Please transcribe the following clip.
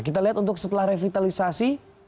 kita lihat untuk setelah revitalisasi